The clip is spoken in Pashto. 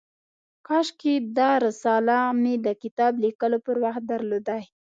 کاشکي دا رساله مې د کتاب لیکلو پر وخت درلودای.